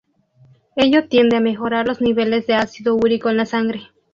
Ello tiende a mejorar los niveles de ácido úrico en la sangre.